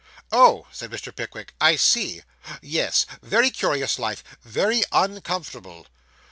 'Oh,' said Mr. Pickwick, 'I see. Yes; very curious life. Very uncomfortable.